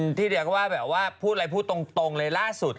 โอลี่คัมรี่ยากที่ใครจะตามทันโอลี่คัมรี่ยากที่ใครจะตามทัน